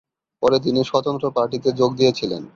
পরে তিনি স্বতন্ত্র পার্টিতে যোগ দিয়েছিলেন।